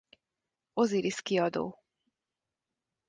Osiris Kiadó.